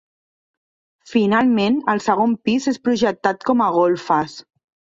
Finalment, el segon pis, és projectat com a golfes.